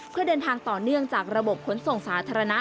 เพื่อเดินทางต่อเนื่องจากระบบขนส่งสาธารณะ